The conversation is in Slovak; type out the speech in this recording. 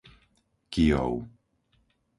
Kyjov